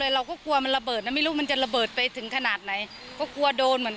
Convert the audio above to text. หวาว่ามันระเบิดนะเราไม่เคยเห็น